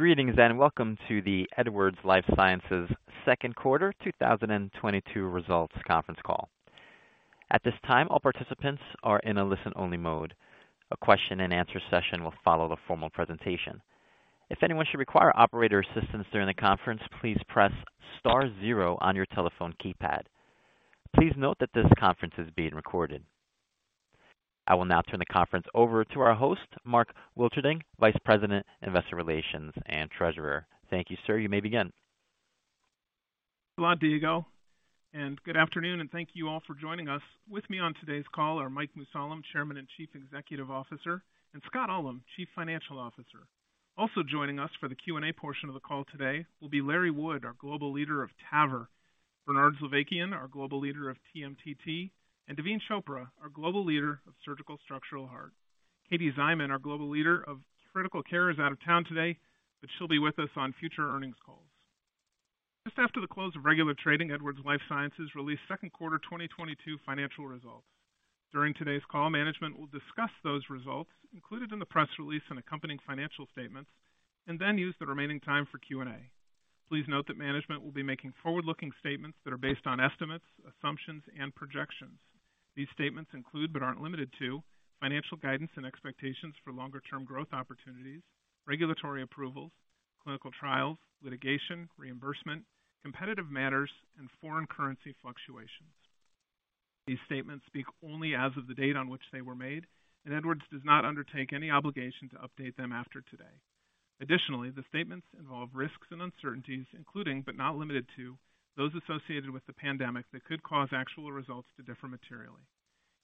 Greetings, and welcome to the Edwards Lifesciences second quarter 2022 results conference call. At this time, all participants are in a listen-only mode. A question-and-answer session will follow the formal presentation. If anyone should require operator assistance during the conference, please press star zero on your telephone keypad. Please note that this conference is being recorded. I will now turn the conference over to our host, Mark Wilterding, Vice President, Investor Relations and Treasurer. Thank you, sir. You may begin. Thank you, Diego, and good afternoon, and thank you all for joining us. With me on today's call are Mike Mussallem, Chairman and Chief Executive Officer, and Scott Ullem, Chief Financial Officer. Also joining us for the Q&A portion of the call today will be Larry Wood, our Global Leader of TAVR, Bernard Zovighian, our Global Leader of TMTT, and Daveen Chopra, our Global Leader of Surgical Structural Heart. Katie Szyman, our Global Leader of Critical Care, is out of town today, but she'll be with us on future earnings calls. Just after the close of regular trading, Edwards Lifesciences released second quarter 2022 financial results. During today's call, management will discuss those results included in the press release and accompanying financial statements, and then use the remaining time for Q&A. Please note that management will be making forward-looking statements that are based on estimates, assumptions, and projections. These statements include, but aren't limited to financial guidance and expectations for longer-term growth opportunities, regulatory approvals, clinical trials, litigation, reimbursement, competitive matters, and foreign currency fluctuations. These statements speak only as of the date on which they were made, and Edwards does not undertake any obligation to update them after today. Additionally, the statements involve risks and uncertainties, including, but not limited to, those associated with the pandemic that could cause actual results to differ materially.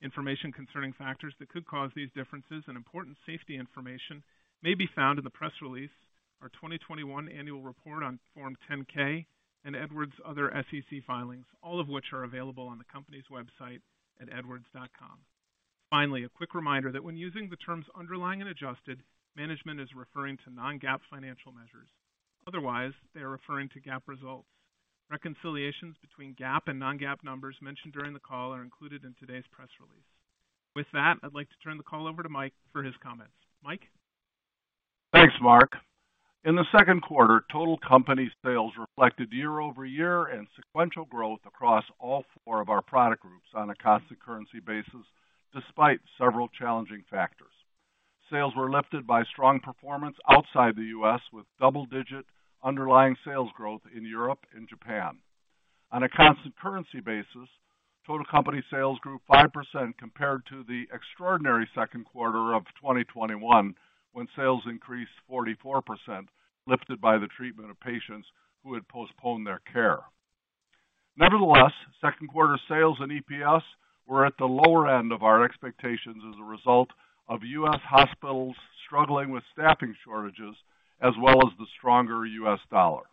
Information concerning factors that could cause these differences and important safety information may be found in the press release, our 2021 annual report on Form 10-K, and Edwards' other SEC filings, all of which are available on the company's website at edwards.com. Finally, a quick reminder that when using the terms underlying and adjusted, management is referring to non-GAAP financial measures. Otherwise, they are referring to GAAP results. Reconciliations between GAAP and non-GAAP numbers mentioned during the call are included in today's press release. With that, I'd like to turn the call over to Mike for his comments. Mike? Thanks, Mark. In the second quarter, total company sales reflected year-over-year and sequential growth across all four of our product groups on a constant currency basis despite several challenging factors. Sales were lifted by strong performance outside the U.S., with double-digit underlying sales growth in Europe and Japan. On a constant currency basis, total company sales grew 5% compared to the extraordinary second quarter of 2021 when sales increased 44%, lifted by the treatment of patients who had postponed their care. Nevertheless, second quarter sales and EPS were at the lower end of our expectations as a result of U.S. hospitals struggling with staffing shortages as well as the stronger U.S. dollar.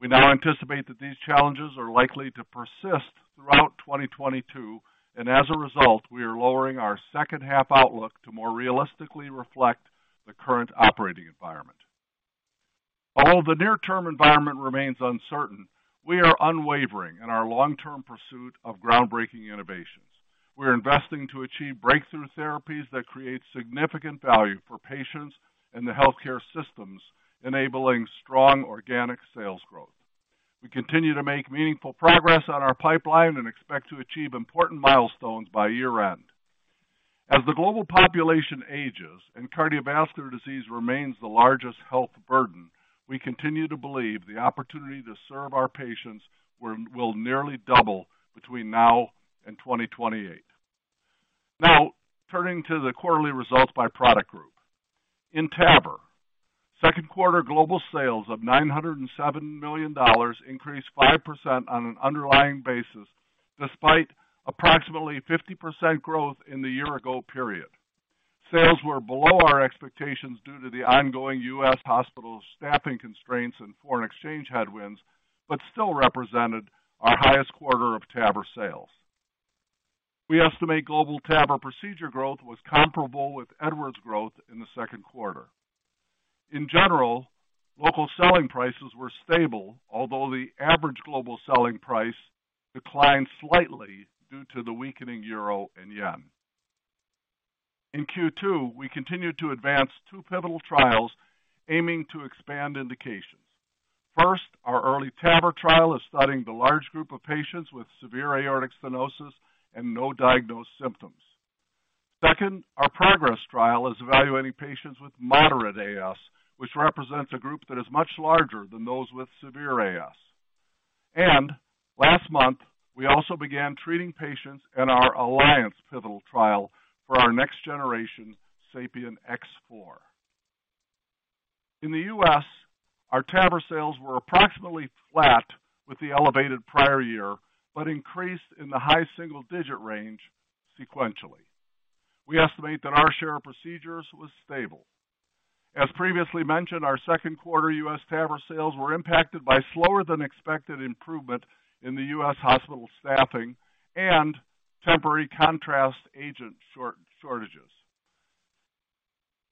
We now anticipate that these challenges are likely to persist throughout 2022, and as a result, we are lowering our second half outlook to more realistically reflect the current operating environment. Although the near-term environment remains uncertain, we are unwavering in our long-term pursuit of groundbreaking innovations. We're investing to achieve breakthrough therapies that create significant value for patients and the healthcare systems, enabling strong organic sales growth. We continue to make meaningful progress on our pipeline and expect to achieve important milestones by year-end. As the global population ages and cardiovascular disease remains the largest health burden, we continue to believe the opportunity to serve our patients will nearly double between now and 2028. Now, turning to the quarterly results by product group. In TAVR, second quarter global sales of $907 million increased 5% on an underlying basis despite approximately 50% growth in the year-ago period. Sales were below our expectations due to the ongoing U.S. hospital staffing constraints and foreign exchange headwinds, but still represented our highest quarter of TAVR sales. We estimate global TAVR procedure growth was comparable with Edwards growth in the second quarter. In general, local selling prices were stable, although the average global selling price declined slightly due to the weakening euro and yen. In Q2, we continued to advance two pivotal trials aiming to expand indications. First, our EARLY TAVR trial is studying the large group of patients with severe aortic stenosis and no diagnosed symptoms. Second, our PROGRESS trial is evaluating patients with moderate AS, which represents a group that is much larger than those with severe AS. Last month, we also began treating patients in our ALLIANCE pivotal trial for our next generation SAPIEN X4. In the U.S., our TAVR sales were approximately flat with the elevated prior year, but increased in the high single-digit range sequentially. We estimate that our share of procedures was stable. As previously mentioned, our second quarter U.S. TAVR sales were impacted by slower than expected improvement in the U.S. hospital staffing and temporary contrast agent shortages.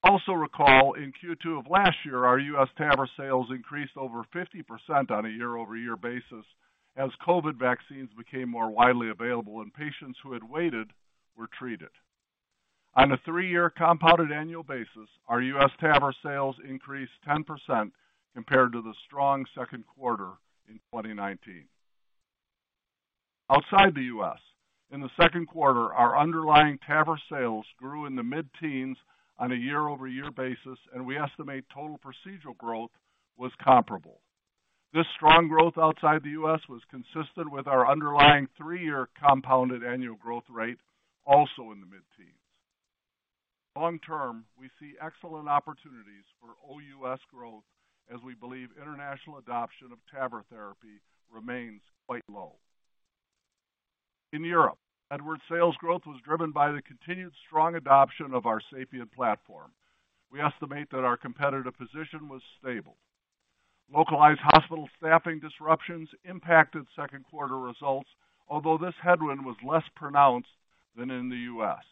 Also recall in Q2 of last year, our U.S. TAVR sales increased over 50% on a year-over-year basis as COVID vaccines became more widely available and patients who had waited were treated. On a three-year compounded annual basis, our U.S. TAVR sales increased 10% compared to the strong second quarter in 2019. Outside the U.S., in the second quarter, our underlying TAVR sales grew in the mid-teens on a year-over-year basis, and we estimate total procedural growth was comparable. This strong growth outside the U.S. was consistent with our underlying three-year compounded annual growth rate also in the mid-teens. Long term, we see excellent opportunities for OUS growth as we believe international adoption of TAVR therapy remains quite low. In Europe, Edwards sales growth was driven by the continued strong adoption of our SAPIEN platform. We estimate that our competitive position was stable. Localized hospital staffing disruptions impacted second-quarter results, although this headwind was less pronounced than in the U.S.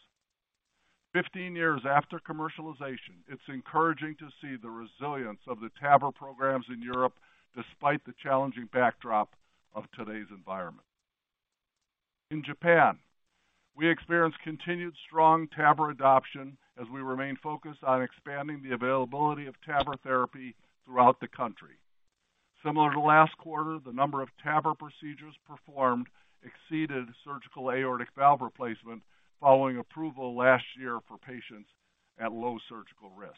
15 years after commercialization, it's encouraging to see the resilience of the TAVR programs in Europe despite the challenging backdrop of today's environment. In Japan, we experienced continued strong TAVR adoption as we remain focused on expanding the availability of TAVR therapy throughout the country. Similar to last quarter, the number of TAVR procedures performed exceeded surgical aortic valve replacement following approval last year for patients at low surgical risk.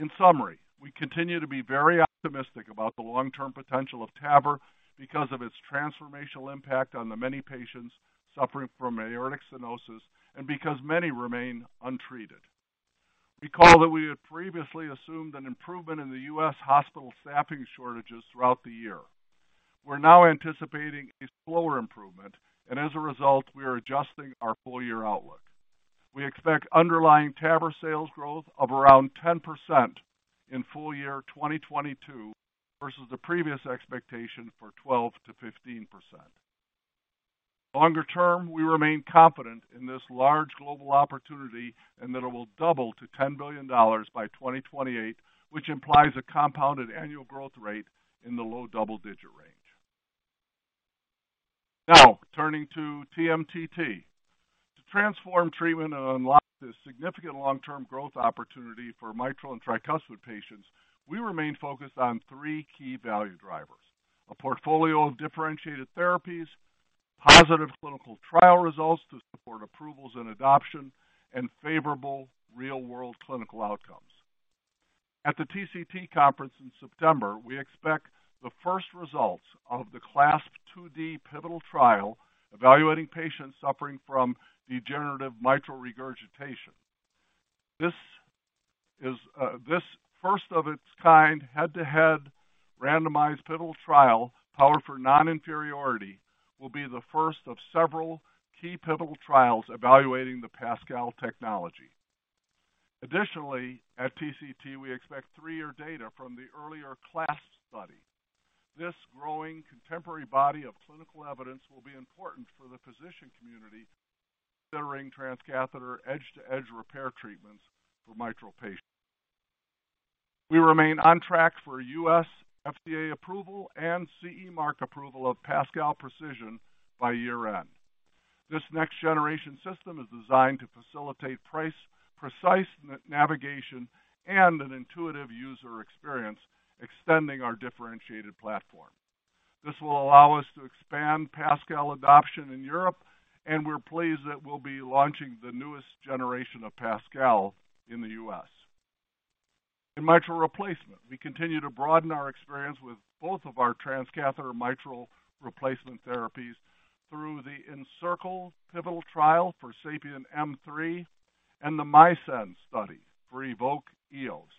In summary, we continue to be very optimistic about the long-term potential of TAVR because of its transformational impact on the many patients suffering from aortic stenosis and because many remain untreated. Recall that we had previously assumed an improvement in the U.S. hospital staffing shortages throughout the year. We're now anticipating a slower improvement, and as a result, we are adjusting our full-year outlook. We expect underlying TAVR sales growth of around 10% in full year 2022 versus the previous expectation for 12%-15%. Longer term, we remain confident in this large global opportunity and that it will double to $10 billion by 2028, which implies a compounded annual growth rate in the low double-digit range. Now, turning to TMTT. To transform treatment and unlock this significant long-term growth opportunity for mitral and tricuspid patients, we remain focused on three key value drivers. A portfolio of differentiated therapies, positive clinical trial results to support approvals and adoption, and favorable real-world clinical outcomes. At the TCT conference in September, we expect the first results of the CLASP IID pivotal trial evaluating patients suffering from degenerative mitral regurgitation. This first of its kind head-to-head randomized pivotal trial powered for non-inferiority will be the first of several key pivotal trials evaluating the PASCAL technology. Additionally, at TCT, we expect three-year data from the earlier CLASP study. This growing contemporary body of clinical evidence will be important for the physician community considering transcatheter edge-to-edge repair treatments for mitral patients. We remain on track for U.S. FDA approval and CE mark approval of PASCAL Precision by year-end. This next-generation system is designed to facilitate precise navigation and an intuitive user experience extending our differentiated platform. This will allow us to expand PASCAL adoption in Europe, and we're pleased that we'll be launching the newest generation of PASCAL in the U.S. In mitral replacement, we continue to broaden our experience with both of our transcatheter mitral replacement therapies through the ENCIRCLE pivotal trial for SAPIEN M3 and the MISCEND study for EVOQUE Eos.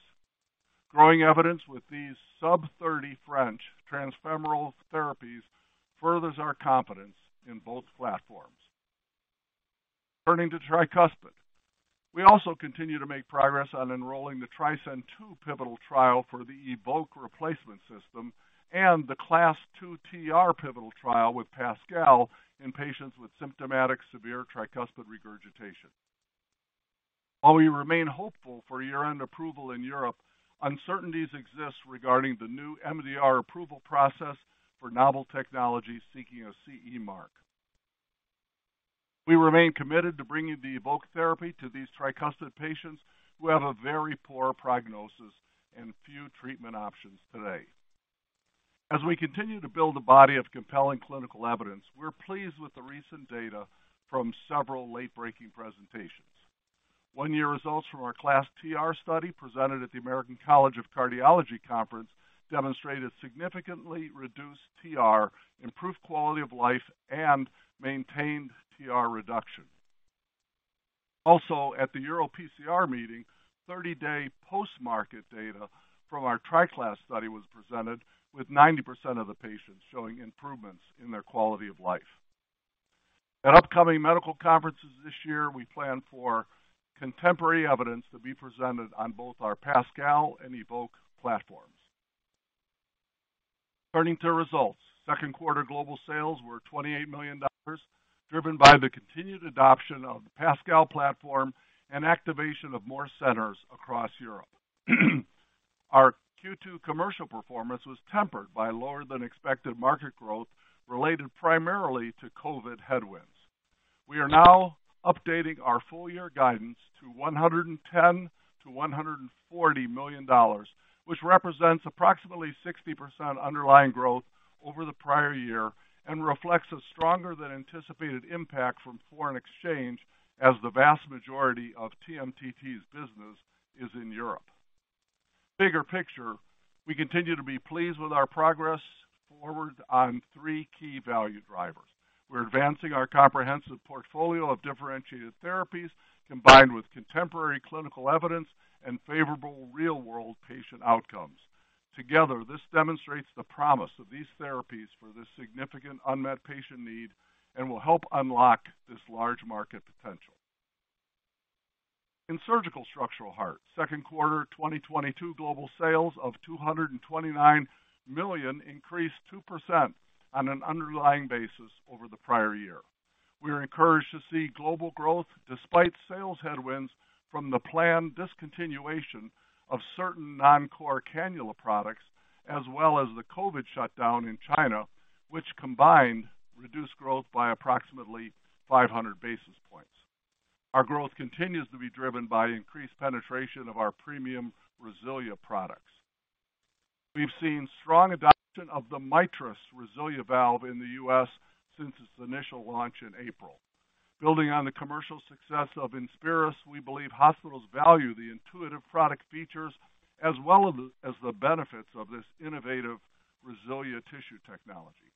Growing evidence with these sub-thirty French transfemoral therapies furthers our confidence in both platforms. Turning to tricuspid. We also continue to make progress on enrolling the TRISCEND II pivotal trial for the EVOQUE replacement system and the CLASP II TR pivotal trial with PASCAL in patients with symptomatic severe tricuspid regurgitation. While we remain hopeful for year-end approval in Europe, uncertainties exist regarding the new MDR approval process for novel technologies seeking a CE mark. We remain committed to bringing the EVOQUE therapy to these tricuspid patients who have a very poor prognosis and few treatment options today. As we continue to build a body of compelling clinical evidence, we're pleased with the recent data from several late-breaking presentations. one year results from our CLASP TR study presented at the American College of Cardiology Conference demonstrated significantly reduced TR, improved quality of life, and maintained TR reduction. Also, at the EuroPCR meeting, 30-day post-market data from our TriCLASP study was presented, with 90% of the patients showing improvements in their quality of life. At upcoming medical conferences this year, we plan for contemporary evidence to be presented on both our PASCAL and EVOQUE platforms. Turning to results. Second quarter global sales were $28 million, driven by the continued adoption of the PASCAL platform and activation of more centers across Europe. Our Q2 commercial performance was tempered by lower than expected market growth related primarily to COVID headwinds. We are now updating our full year guidance to $110 million-$140 million, which represents approximately 60% underlying growth over the prior year and reflects a stronger than anticipated impact from foreign exchange as the vast majority of TMTT's business is in Europe. Bigger picture, we continue to be pleased with our progress forward on three key value drivers. We're advancing our comprehensive portfolio of differentiated therapies combined with contemporary clinical evidence and favorable real-world patient outcomes. Together, this demonstrates the promise of these therapies for this significant unmet patient need and will help unlock this large market potential. In surgical structural heart, second quarter 2022 global sales of $229 million increased 2% on an underlying basis over the prior year. We are encouraged to see global growth despite sales headwinds from the planned discontinuation of certain non-core cannula products, as well as the COVID shutdown in China, which combined reduced growth by approximately 500 basis points. Our growth continues to be driven by increased penetration of our premium RESILIA products. We've seen strong adoption of the MITRIS RESILIA valve in the U.S. Since its initial launch in April. Building on the commercial success of INSPIRIS, we believe hospitals value the intuitive product features as well as the benefits of this innovative RESILIA tissue technology.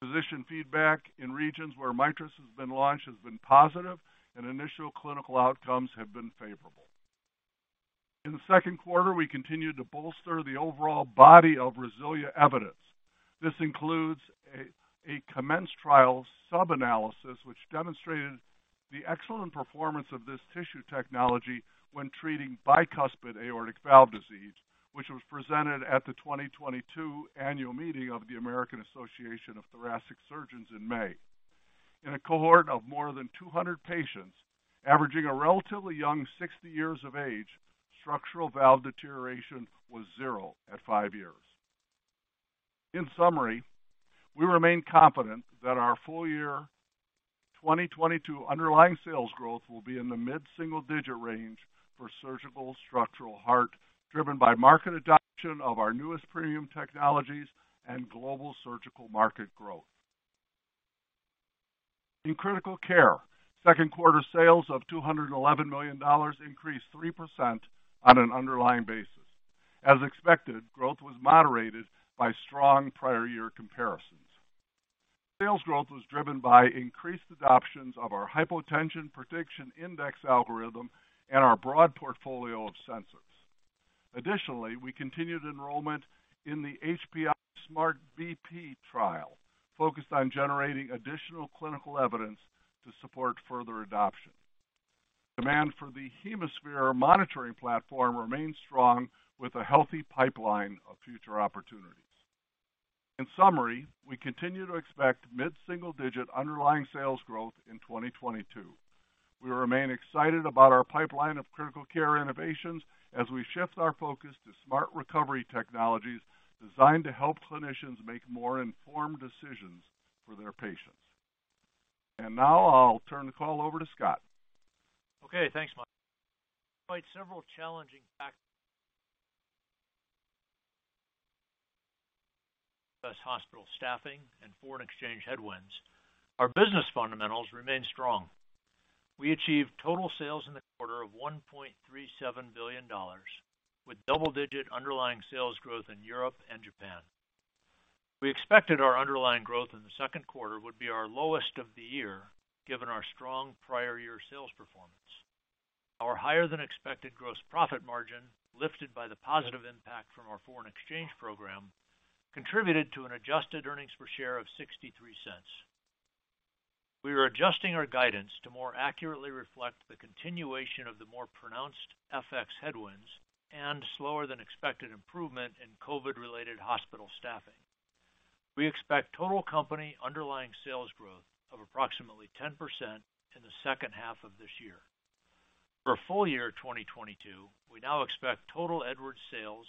Physician feedback in regions where MITRIS has been launched has been positive and initial clinical outcomes have been favorable. In the second quarter, we continued to bolster the overall body of RESILIA evidence. This includes a COMMENCE trial sub-analysis, which demonstrated the excellent performance of this tissue technology when treating bicuspid aortic valve disease, which was presented at the 2022 annual meeting of the American Association for Thoracic Surgery in May. In a cohort of more than 200 patients, averaging a relatively young 60 years of age, structural valve deterioration was zero at five years. In summary, we remain confident that our full year 2022 underlying sales growth will be in the mid-single digit range for surgical structural heart, driven by market adoption of our newest premium technologies and global surgical market growth. In critical care, second-quarter sales of $211 million increased 3% on an underlying basis. As expected, growth was moderated by strong prior year comparisons. Sales growth was driven by increased adoptions of our Hypotension Prediction Index algorithm and our broad portfolio of sensors. Additionally, we continued enrollment in the HPI SMART-BP trial focused on generating additional clinical evidence to support further adoption. Demand for the HemoSphere monitoring platform remains strong with a healthy pipeline of future opportunities. In summary, we continue to expect mid-single digit underlying sales growth in 2022. We remain excited about our pipeline of critical care innovations as we shift our focus to smart recovery technologies designed to help clinicians make more informed decisions for their patients. Now I'll turn the call over to Scott. Okay, thanks, Mike. Despite several challenging factors, hospital staffing and foreign exchange headwinds, our business fundamentals remain strong. We achieved total sales in the quarter of $1.37 billion, with double-digit underlying sales growth in Europe and Japan. We expected our underlying growth in the second quarter would be our lowest of the year, given our strong prior year sales performance. Our higher than expected gross profit margin, lifted by the positive impact from our foreign exchange program, contributed to an adjusted earnings per share of $0.63. We are adjusting our guidance to more accurately reflect the continuation of the more pronounced FX headwinds and slower than expected improvement in COVID-related hospital staffing. We expect total company underlying sales growth of approximately 10% in the second half of this year. For full year 2022, we now expect total Edwards sales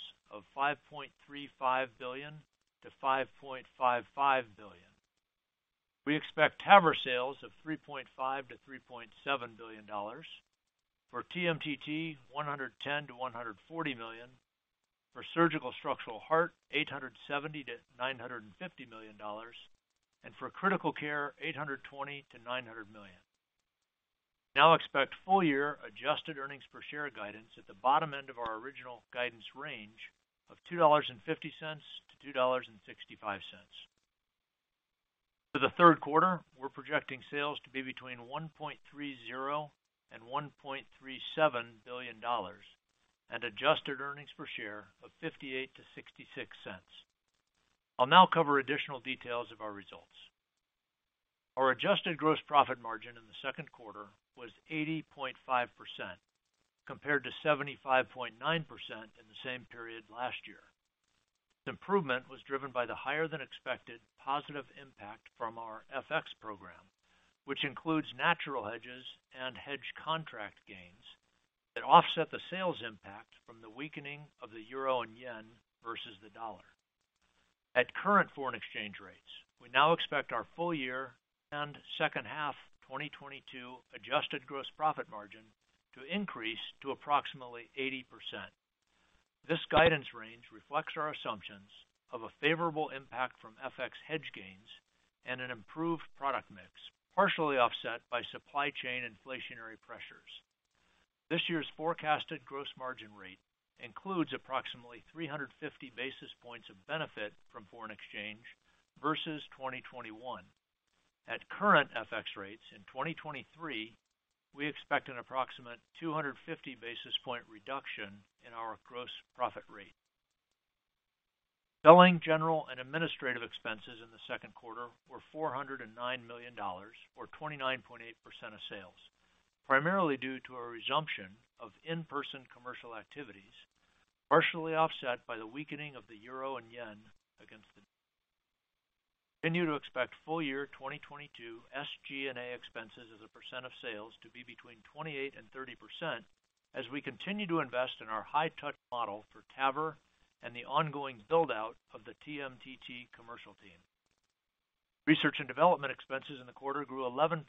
of $5.35 billion-$5.55 billion. We expect TAVR sales of $3.5 billion-$3.7 billion. For TMTT, $110 million-$140 million. For surgical structural heart, $870 million-$950 million. For critical care, $820 million-$900 million. We now expect full year adjusted earnings per share guidance at the bottom end of our original guidance range of $2.50-$2.65. For the third quarter, we're projecting sales to be between $1.30 billion-$1.37 billion and adjusted earnings per share of $0.58-$0.66. I'll now cover additional details of our results. Our adjusted gross profit margin in the second quarter was 80.5%, compared to 75.9% in the same period last year. This improvement was driven by the higher than expected positive impact from our FX program, which includes natural hedges and hedge contract gains that offset the sales impact from the weakening of the euro and yen versus the dollar. At current foreign exchange rates, we now expect our full year and second half 2022 adjusted gross profit margin to increase to approximately 80%. This guidance range reflects our assumptions of a favorable impact from FX hedge gains and an improved product mix, partially offset by supply chain inflationary pressures. This year's forecasted gross margin rate includes approximately 350 basis points of benefit from foreign exchange versus 2021. At current FX rates in 2023, we expect an approximate 250 basis point reduction in our gross profit rate. Selling, general, and administrative expenses in the second quarter were $409 million or 29.8% of sales, primarily due to a resumption of in-person commercial activities, partially offset by the weakening of the euro and yen against the dollar. We continue to expect full year 2022 SG&A expenses as a percent of sales to be between 28% and 30% as we continue to invest in our high-touch model for TAVR and the ongoing build-out of the TMTT commercial team. Research and development expenses in the quarter grew 11%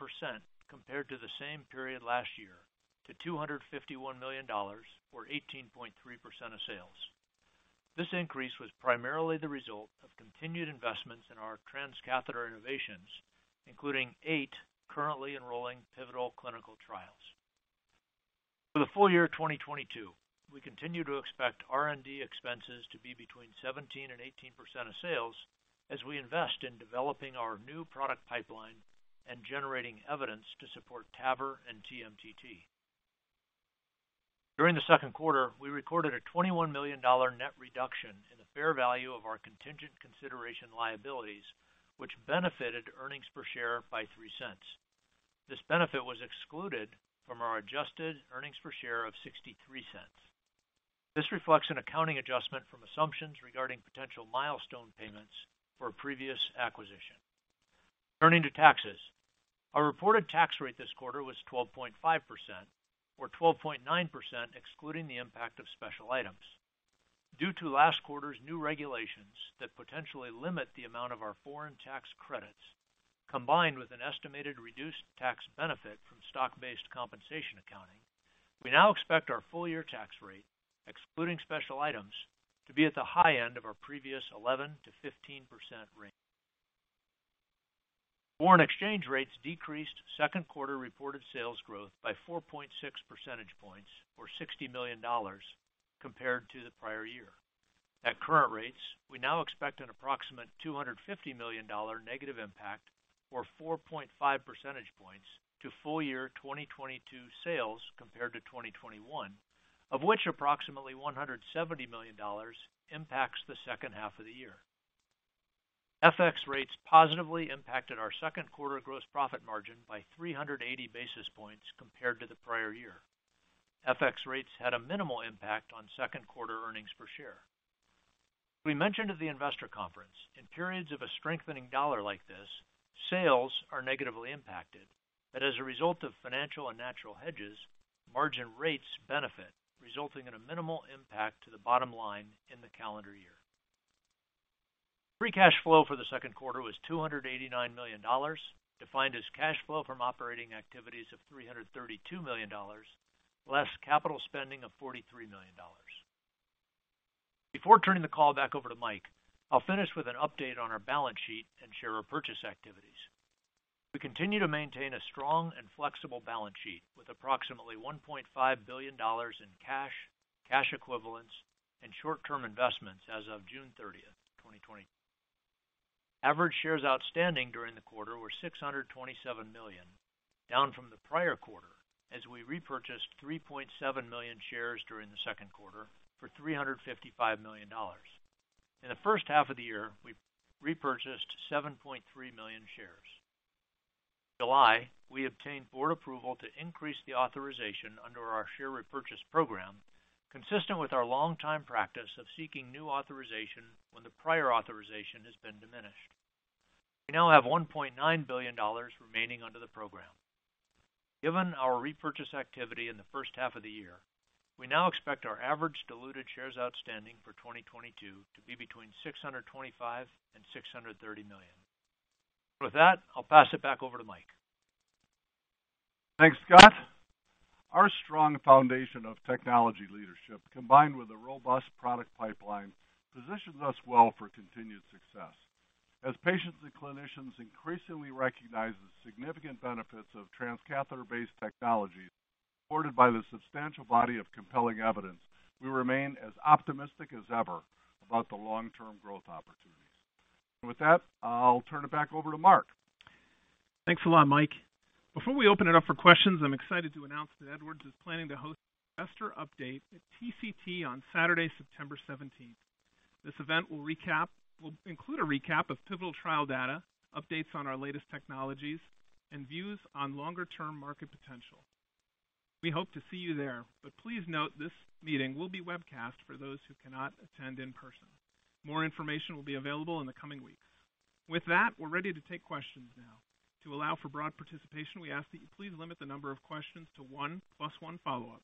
compared to the same period last year to $251 million or 18.3% of sales. This increase was primarily the result of continued investments in our transcatheter innovations, including eight currently enrolling pivotal clinical trials. For the full year 2022, we continue to expect R&D expenses to be between 17% and 18% of sales as we invest in developing our new product pipeline and generating evidence to support TAVR and TMTT. During the second quarter, we recorded a $21 million net reduction in the fair value of our contingent consideration liabilities, which benefited earnings per share by $0.03. This benefit was excluded from our adjusted earnings per share of $0.63. This reflects an accounting adjustment from assumptions regarding potential milestone payments for a previous acquisition. Turning to taxes. Our reported tax rate this quarter was 12.5% or 12.9% excluding the impact of special items. Due to last quarter's new regulations that potentially limit the amount of our foreign tax credits, combined with an estimated reduced tax benefit from stock-based compensation accounting, we now expect our full year tax rate, excluding special items, to be at the high end of our previous 11%-15% range. Foreign exchange rates decreased second quarter reported sales growth by 4.6 percentage points or $60 million compared to the prior year. At current rates, we now expect an approximate $250 million dollar negative impact or 4.5 percentage points to full year 2022 sales compared to 2021, of which approximately $170 million impacts the second half of the year. FX rates positively impacted our second quarter gross profit margin by 380 basis points compared to the prior year. FX rates had a minimal impact on second quarter earnings per share. We mentioned at the investor conference, in periods of a strengthening U.S. dollar like this, sales are negatively impacted, but as a result of financial and natural hedges, margin rates benefit, resulting in a minimal impact to the bottom line in the calendar year. Free cash flow for the second quarter was $289 million, defined as cash flow from operating activities of $332 million, less capital spending of $43 million. Before turning the call back over to Mike, I'll finish with an update on our balance sheet and share repurchase activities. We continue to maintain a strong and flexible balance sheet with approximately $1.5 billion in cash equivalents, and short-term investments as of June 30, 2022. Average shares outstanding during the quarter were 627 million, down from the prior quarter as we repurchased 3.7 million shares during the second quarter for $355 million. In the first half of the year, we repurchased 7.3 million shares. In July, we obtained board approval to increase the authorization under our share repurchase program, consistent with our long-time practice of seeking new authorization when the prior authorization has been diminished. We now have $1.9 billion remaining under the program. Given our repurchase activity in the first half of the year, we now expect our average diluted shares outstanding for 2022 to be between 625 and 630 million. With that, I'll pass it back over to Mike. Thanks, Scott. Our strong foundation of technology leadership, combined with a robust product pipeline, positions us well for continued success. As patients and clinicians increasingly recognize the significant benefits of transcatheter-based technologies supported by the substantial body of compelling evidence, we remain as optimistic as ever about the long-term growth opportunities. With that, I'll turn it back over to Mark. Thanks a lot, Mike. Before we open it up for questions, I'm excited to announce that Edwards is planning to host an investor update at TCT on Saturday, September seventeenth. This event will include a recap of pivotal trial data, updates on our latest technologies, and views on longer-term market potential. We hope to see you there, but please note this meeting will be webcast for those who cannot attend in person. More information will be available in the coming weeks. With that, we're ready to take questions now. To allow for broad participation, we ask that you please limit the number of questions to one plus one follow-up.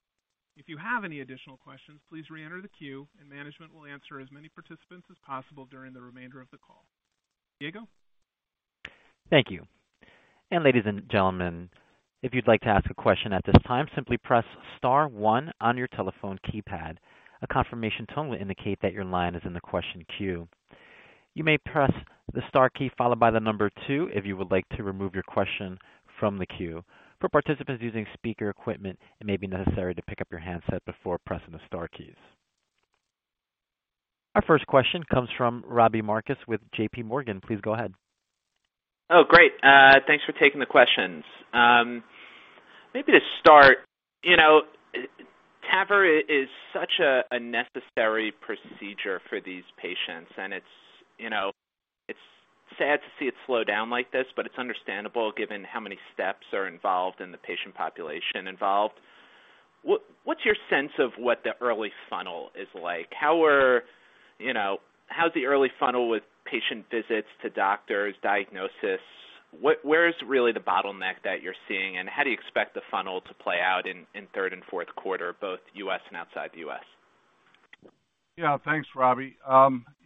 If you have any additional questions, please re-enter the queue, and management will answer as many participants as possible during the remainder of the call. Diego. Thank you. Ladies and gentlemen, if you'd like to ask a question at this time, simply press star one on your telephone keypad. A confirmation tone will indicate that your line is in the question queue. You may press the star key followed by the number two if you would like to remove your question from the queue. For participants using speaker equipment, it may be necessary to pick up your handset before pressing the star keys. Our first question comes from Robbie Marcus with J.P. Morgan. Please go ahead. Oh, great. Thanks for taking the questions. Maybe to start, you know, TAVR is such a necessary procedure for these patients, and it's, you know, it's sad to see it slow down like this, but it's understandable given how many steps are involved and the patient population involved. What's your sense of what the early funnel is like? You know, how's the early funnel with patient visits to doctors, diagnosis? What, where is really the bottleneck that you're seeing, and how do you expect the funnel to play out in third and fourth quarter, both U.S. and outside the U.S.? Yeah. Thanks, Robbie.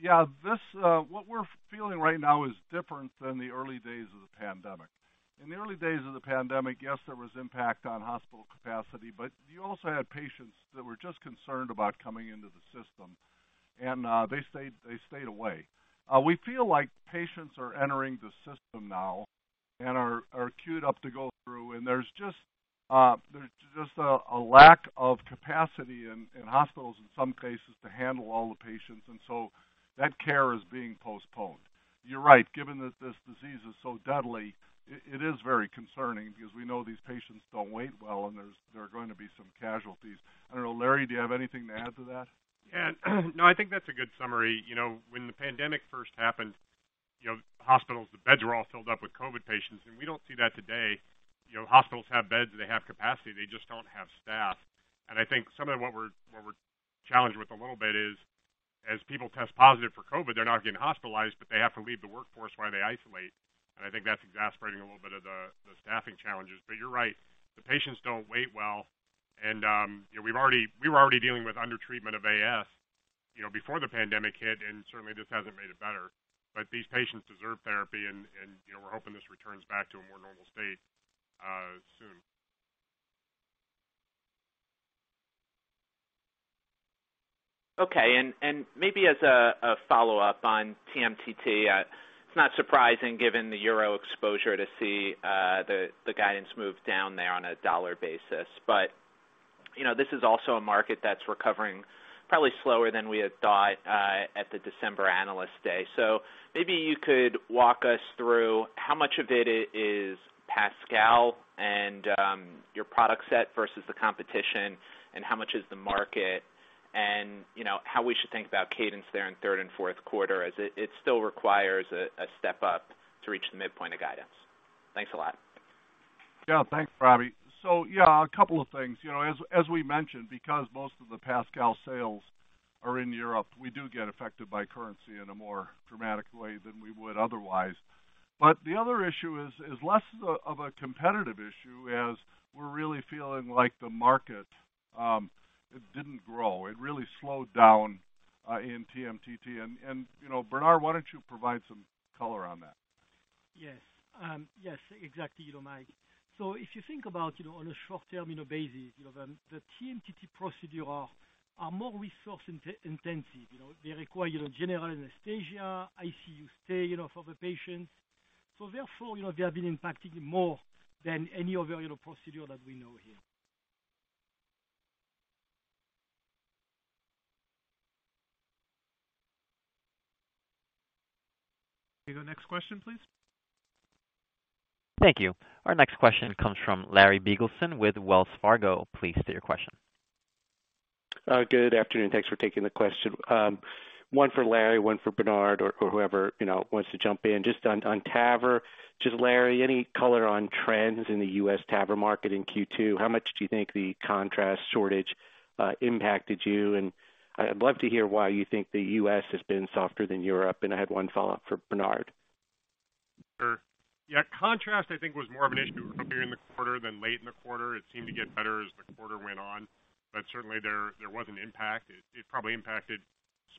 Yeah, this what we're feeling right now is different than the early days of the pandemic. In the early days of the pandemic, yes, there was impact on hospital capacity, but you also had patients that were just concerned about coming into the system, and they stayed away. We feel like patients are entering the system now and are queued up to go through, and there's just a lack of capacity in hospitals in some cases to handle all the patients, and so that care is being postponed. You're right, given that this disease is so deadly, it is very concerning because we know these patients don't wait well, and there are going to be some casualties. I don't know. Larry, do you have anything to add to that? Yeah. No, I think that's a good summary. You know, when the pandemic first happened, you know, hospitals, the beds were all filled up with COVID patients, and we don't see that today. You know, hospitals have beds, they have capacity, they just don't have staff. I think some of what we're challenged with a little bit is, as people test positive for COVID, they're not getting hospitalized, but they have to leave the workforce while they isolate. I think that's exacerbating a little bit of the staffing challenges. You're right, the patients don't wait well. We were already dealing with undertreatment of AS, you know, before the pandemic hit, and certainly this hasn't made it better. These patients deserve therapy and, you know, we're hoping this returns back to a more normal state soon. Okay. Maybe as a follow-up on TMTT, it's not surprising given the euro exposure to see the guidance move down there on a dollar basis. You know, this is also a market that's recovering probably slower than we had thought at the December Analyst Day. Maybe you could walk us through how much of it is PASCAL and your product set versus the competition, and how much is the market. You know, how we should think about cadence there in third and fourth quarter, as it still requires a step up to reach the midpoint of guidance. Thanks a lot. Yeah. Thanks, Robbie. Yeah, a couple of things. You know, as we mentioned, because most of the PASCAL sales are in Europe, we do get affected by currency in a more dramatic way than we would otherwise. The other issue is less of a competitive issue as we're really feeling like the market, it didn't grow. It really slowed down in TMTT. You know, Bernard, why don't you provide some color on that? Yes. Yes, exactly, you know, Mike. If you think about, you know, on a short-term, you know, basis, you know, the TMTT procedure are more resource intensive, you know. They require, you know, general anesthesia, ICU stay, you know, for the patients. Therefore, you know, they have been impacted more than any other, you know, procedure that we know here. Diego, next question, please. Thank you. Our next question comes from Larry Biegelsen with Wells Fargo. Please state your question. Good afternoon. Thanks for taking the question. One for Larry, one for Bernard or whoever, you know, wants to jump in. Just on TAVR. Just Larry, any color on trends in the U.S. TAVR market in Q2? How much do you think the contrast shortage impacted you? I'd love to hear why you think the U.S. has been softer than Europe. I had one follow-up for Bernard. Sure. Yeah. Contrast, I think, was more of an issue earlier in the quarter than late in the quarter. It seemed to get better as the quarter went on. But certainly there was an impact. It probably impacted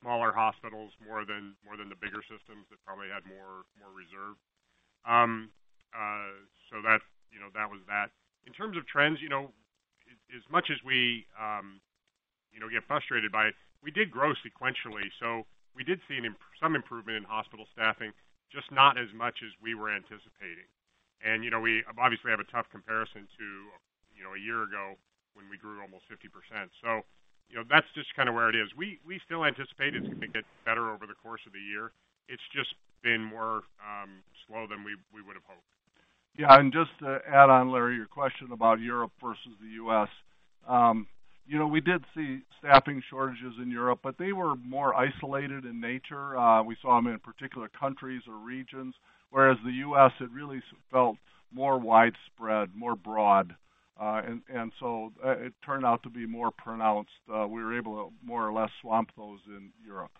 smaller hospitals more than the bigger systems that probably had more reserve. That, you know, that was that. In terms of trends, you know, as much as we, you know, get frustrated by it, we did grow sequentially, so we did see some improvement in hospital staffing, just not as much as we were anticipating. You know, we obviously have a tough comparison to, you know, a year ago when we grew almost 50%. You know, that's just kind of where it is. We still anticipate it to get better over the course of the year. It's just been slower than we would've hoped. Yeah. Just to add on, Larry, your question about Europe versus the U.S., you know, we did see staffing shortages in Europe, but they were more isolated in nature. We saw them in particular countries or regions, whereas the U.S., it really felt more widespread, more broad. So, it turned out to be more pronounced. We were able to more or less swamp those in Europe.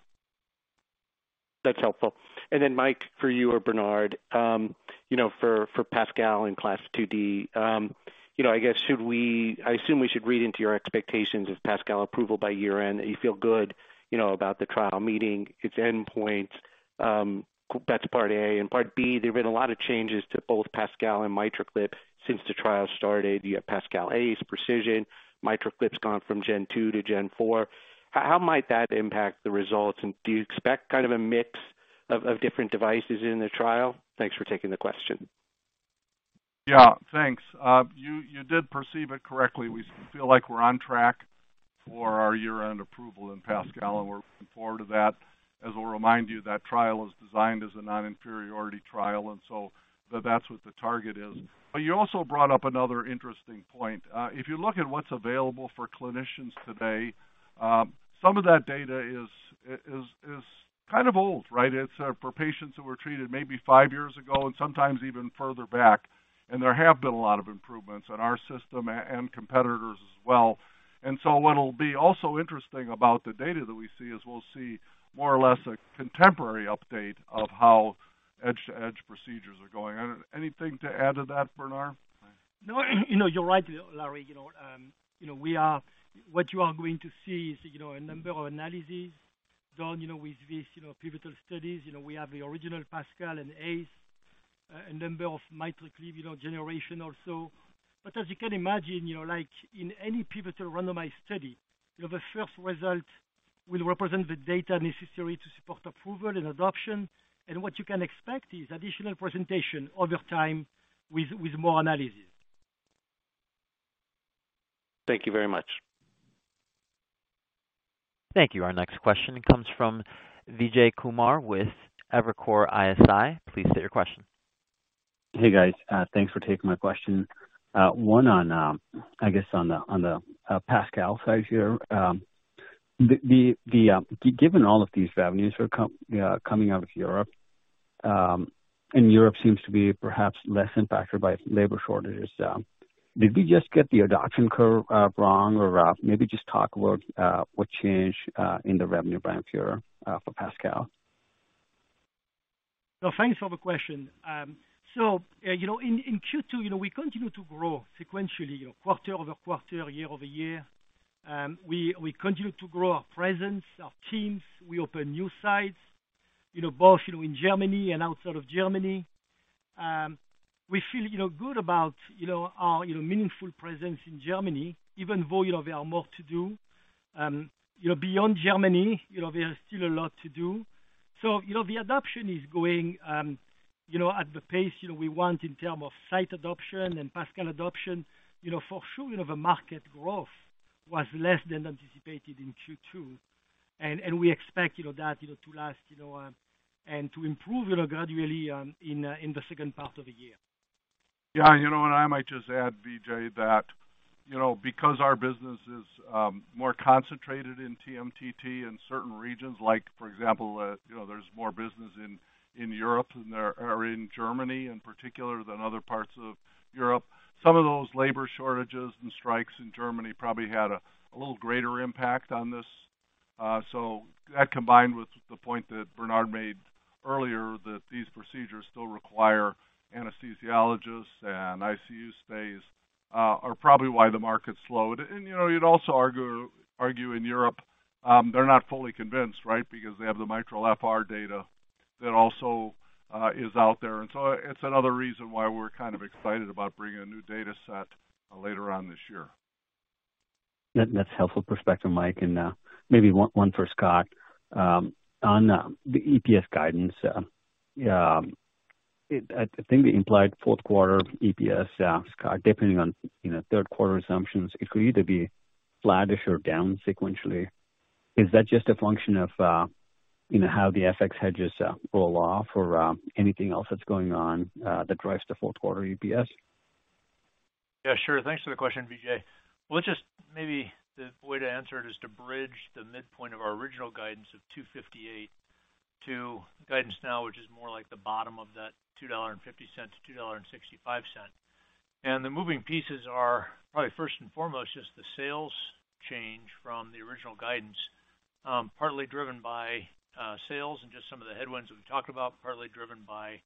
That's helpful. Mike, for you or Bernard, you know, for PASCAL and CLASP IID, I assume we should read into your expectations of PASCAL approval by year-end, that you feel good, you know, about the trial meeting its endpoint. That's part A, and part B, there have been a lot of changes to both PASCAL and MitraClip since the trial started. You have PASCAL Ace, Precision. MitraClip's gone from G2 to G4. How might that impact the results? And do you expect kind of a mix of different devices in the trial? Thanks for taking the question. Yeah, thanks. You did perceive it correctly. We feel like we're on track for our year-end approval in PASCAL, and we're looking forward to that. As I'll remind you, that trial is designed as a non-inferiority trial, and so that's what the target is. You also brought up another interesting point. If you look at what's available for clinicians today, some of that data is kind of old, right? It's for patients who were treated maybe five years ago and sometimes even further back, and there have been a lot of improvements in our system and competitors as well. What'll be also interesting about the data that we see is we'll see more or less a contemporary update of how edge-to-edge procedures are going. Anything to add to that, Bernard? No. You know, you're right, Larry. You know, what you are going to see is, you know, a number of analyses done, you know, with these, you know, pivotal studies. You know, we have the original PASCAL and Ace, a number of MitraClip, you know, generation also. But as you can imagine, you know, like in any pivotal randomized study, you know, the first result will represent the data necessary to support approval and adoption. What you can expect is additional presentation over time with more analysis. Thank you very much. Thank you. Our next question comes from Vijay Kumar with Evercore ISI. Please state your question. Hey, guys. Thanks for taking my question. One on, I guess, the PASCAL side here. Given all of these revenues are coming out of Europe, and Europe seems to be perhaps less impacted by labor shortages, did we just get the adoption curve wrong? Or, maybe just talk about what changed in the revenue ramp here for PASCAL. Well, thanks for the question. You know, in Q2, you know, we continue to grow sequentially, you know, quarter over quarter, year over year. We continue to grow our presence, our teams. We open new sites, you know, both in Germany and outside of Germany. We feel good about our meaningful presence in Germany, even though there are more to do. You know, beyond Germany, you know, there is still a lot to do. You know, the adoption is going at the pace we want in terms of site adoption and PASCAL adoption. You know, for sure, you know, the market growth was less than anticipated in Q2, and we expect, you know, that, you know, to last, you know, and to improve, you know, gradually, in the second part of the year. Yeah, you know, I might just add, Vijay, that, you know, because our business is more concentrated in TMTT in certain regions, like, for example, you know, there's more business in Germany in particular than other parts of Europe. Some of those labor shortages and strikes in Germany probably had a little greater impact on this. That combined with the point that Bernard made earlier, that these procedures still require anesthesiologists and ICU stays, are probably why the market slowed. You know, you'd also argue in Europe, they're not fully convinced, right? Because they have the MITRA-FR data that also is out there. It's another reason why we're kind of excited about bringing a new data set later on this year. That's helpful perspective, Mike. Maybe one for Scott. On the EPS guidance, I think the implied fourth quarter EPS, Scott, depending on, you know, third quarter assumptions, it could either be flattish or down sequentially. Is that just a function of, you know, how the FX hedges roll off or anything else that's going on that drives the fourth quarter EPS? Yeah, sure. Thanks for the question, Vijay. We'll just maybe the way to answer it is to bridge the midpoint of our original guidance of $2.58 to guidance now, which is more like the bottom of that $2.50-$2.65. The moving pieces are probably first and foremost just the sales change from the original guidance, partly driven by sales and just some of the headwinds that we've talked about, partly driven by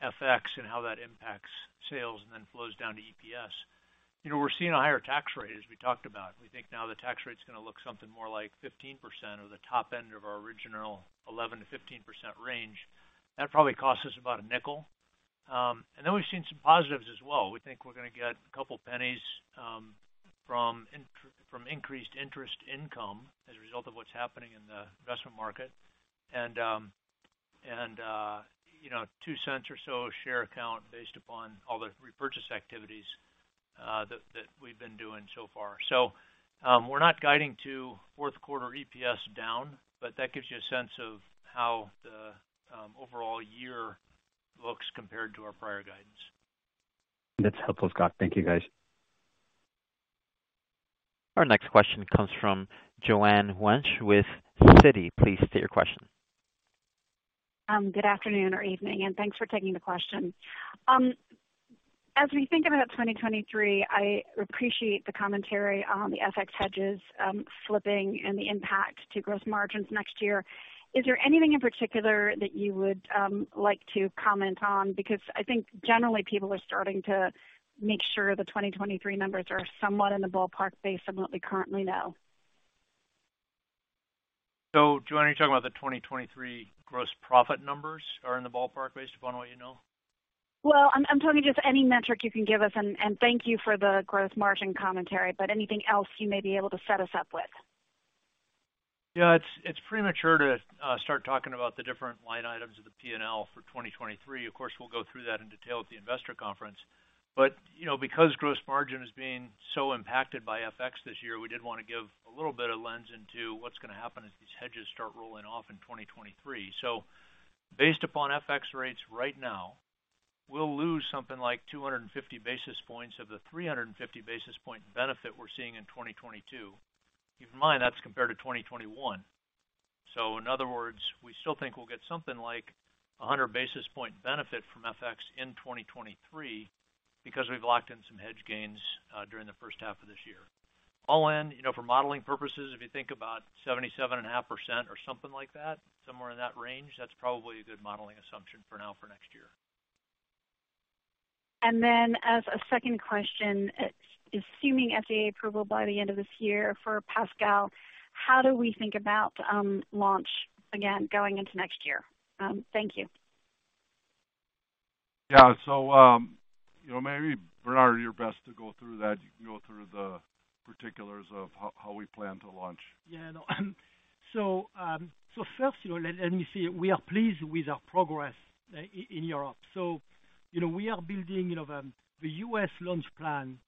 FX and how that impacts sales and then flows down to EPS. You know, we're seeing a higher tax rate, as we talked about. We think now the tax rate's gonna look something more like 15% or the top end of our original 11%-15% range. That probably costs us about $0.05. We've seen some positives as well. We think we're gonna get a couple pennies from increased interest income as a result of what's happening in the investment market. You know, $0.02 or so to share count based upon all the repurchase activities that we've been doing so far. We're not guiding to fourth quarter EPS down, but that gives you a sense of how the overall year looks compared to our prior guidance. That's helpful, Scott. Thank you, guys. Our next question comes from Joanne Wuensch with Citi. Please state your question. Good afternoon or evening, and thanks for taking the question. As we think about 2023, I appreciate the commentary on the FX hedges slipping and the impact to gross margins next year. Is there anything in particular that you would like to comment on? Because I think generally people are starting to make sure the 2023 numbers are somewhat in the ballpark based on what we currently know. Joanne, are you talking about the 2023 gross profit numbers are in the ballpark based upon what you know? Well, I'm talking just any metric you can give us, and thank you for the gross margin commentary, but anything else you may be able to set us up with. Yeah, it's premature to start talking about the different line items of the P&L for 2023. Of course, we'll go through that in detail at the investor conference. You know, because gross margin is being so impacted by FX this year, we did wanna give a little bit of lens into what's gonna happen as these hedges start rolling off in 2023. Based upon FX rates right now, we'll lose something like 250 basis points of the 350 basis point benefit we're seeing in 2022. Keep in mind, that's compared to 2021. In other words, we still think we'll get something like a 100 basis point benefit from FX in 2023 because we've locked in some hedge gains during the first half of this year. All in, you know, for modeling purposes, if you think about 77.5% or something like that, somewhere in that range, that's probably a good modeling assumption for now for next year. As a second question, assuming FDA approval by the end of this year for PASCAL, how do we think about launch again going into next year? Thank you. Yeah. You know, maybe Bernard, you're best to go through that. You can go through the particulars of how we plan to launch. Yeah, no. First, you know, let me say, we are pleased with our progress in Europe. We are building the U.S. launch plan,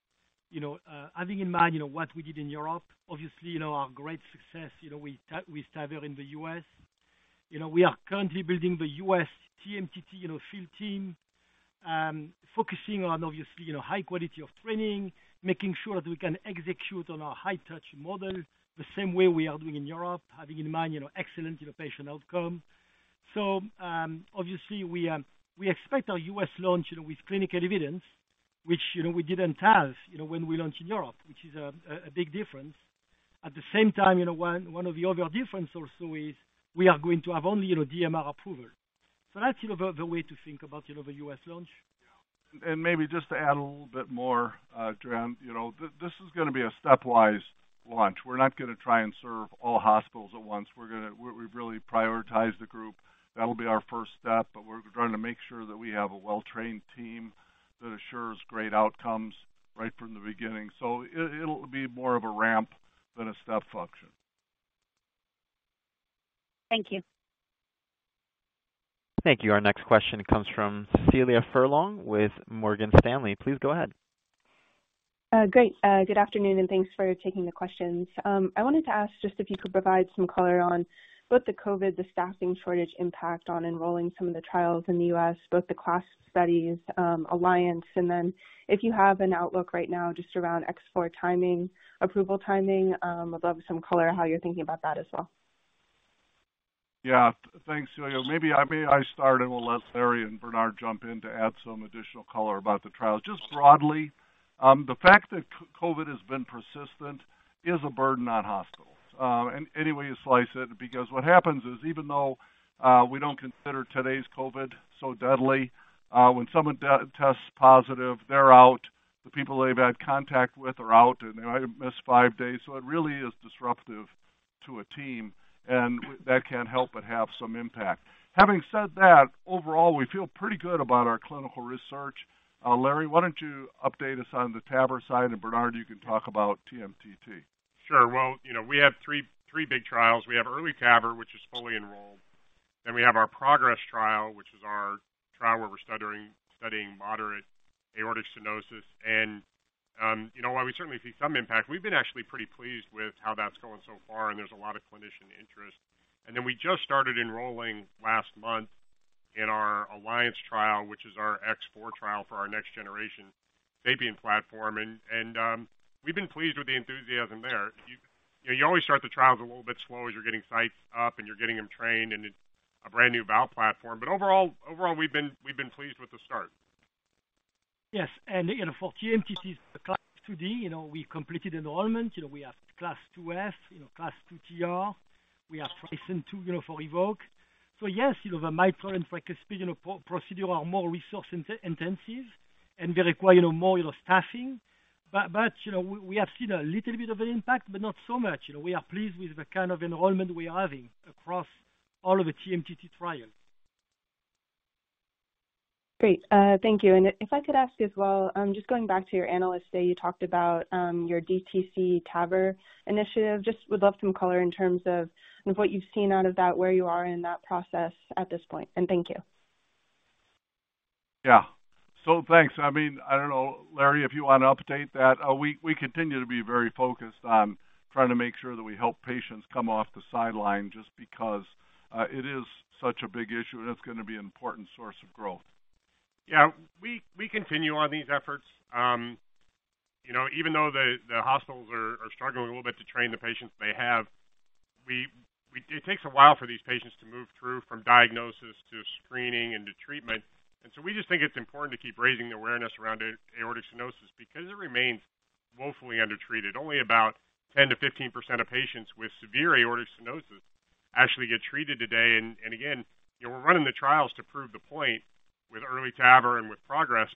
you know, having in mind what we did in Europe. Obviously, you know, our great success, you know, we started in the U.S. You know, we are currently building the U.S. TMTT field team, focusing on obviously, you know, high quality of training, making sure that we can execute on our high touch model the same way we are doing in Europe, having in mind, you know, excellent patient outcome. Obviously, we expect our U.S. launch with clinical evidence, which, you know, we didn't have when we launched in Europe, which is a big difference. At the same time, you know, one of the other difference also is we are going to have only, you know, DMR approval. So that's, you know, the way to think about, you know, the U.S. launch. Maybe just to add a little bit more, Joanne. You know, this is gonna be a stepwise launch. We're not gonna try and serve all hospitals at once. We've really prioritized the group. That'll be our first step, but we're trying to make sure that we have a well-trained team that assures great outcomes right from the beginning. It'll be more of a ramp than a step function. Thank you. Thank you. Our next question comes from Cecilia Furlong with Morgan Stanley. Please go ahead. Great. Good afternoon, and thanks for taking the questions. I wanted to ask just if you could provide some color on both the COVID, the staffing shortage impact on enrolling some of the trials in the U.S., both the CLASP studies, ALLIANCE, and then if you have an outlook right now just around SAPIEN X4 timing, approval timing, would love some color how you're thinking about that as well. Yeah. Thanks, Cecilia. Maybe I start, and we'll let Larry and Bernard jump in to add some additional color about the trials. Just broadly, the fact that COVID has been persistent is a burden on hospitals, any way you slice it, because what happens is even though we don't consider today's COVID so deadly, when someone tests positive, they're out, the people they've had contact with are out, and they might miss five days. It really is disruptive to a team, and that can't help but have some impact. Having said that, overall, we feel pretty good about our clinical research. Larry, why don't you update us on the TAVR side, and Bernard, you can talk about TMTT. Sure. Well, you know, we have three big trials. We have EARLY TAVR, which is fully enrolled. We have our PROGRESS trial, which is our trial where we're studying moderate aortic stenosis. You know, while we certainly see some impact, we've been actually pretty pleased with how that's going so far, and there's a lot of clinician interest. We just started enrolling last month in our ALLIANCE trial, which is our X4 trial for our next generation SAPIEN platform. We've been pleased with the enthusiasm there. You know, you always start the trials a little bit slow as you're getting sites up and you're getting them trained, and it's a brand new valve platform. Overall, we've been pleased with the start. Yes. You know, for TMTT's CLASP IID, you know, we've completed enrollment. You know, we have CLASP IIF, you know, CLASP II TR. We have TRISCEND II, you know, for EVOQUE. Yes, you know, the mitral and tricuspid procedures are more resource intensive, and they require, you know, more staffing. But, you know, we have seen a little bit of an impact, but not so much. You know, we are pleased with the kind of enrollment we are having across all of the TMTT trials. Great. Thank you. If I could ask as well, just going back to your Analyst Day, you talked about your DTC TAVR initiative. Just would love some color in terms of what you've seen out of that, where you are in that process at this point? Thank you. Yeah. Thanks. I mean, I don't know, Larry, if you wanna update that. We continue to be very focused on trying to make sure that we help patients come off the sideline just because it is such a big issue, and it's gonna be an important source of growth. We continue on these efforts. You know, even though the hospitals are struggling a little bit to train the patients they have, it takes a while for these patients to move through from diagnosis to screening into treatment. We just think it's important to keep raising the awareness around aortic stenosis because it remains woefully undertreated. Only about 10%-15% of patients with severe aortic stenosis actually get treated today. Again, you know, we're running the trials to prove the point with EARLY TAVR and with PROGRESS.